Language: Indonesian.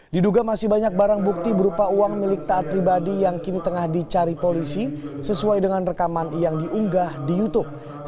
diduga masih banyak barang bukti berupa uang milik taat pribadi yang kini tengah dicari polisi sesuai dengan rekaman yang diunggah di youtube